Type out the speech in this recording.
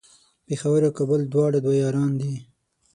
پیښور او کابل دواړه دوه یاران دی